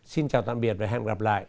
xin chào tạm biệt và hẹn gặp lại